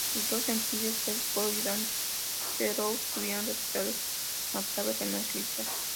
Sus dos sencillos, "Let's Go" y "Dangerous", tuvieron resultados notables en las listas.